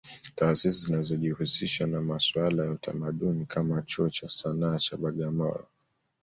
Taasisi zinazojihusisha na masuala ya utamadini kama Chuo cha Sana cha Bagamoyo